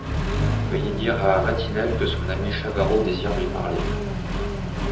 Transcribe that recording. Veuillez dire à Vatinelle que son ami Chavarot désire lui parler…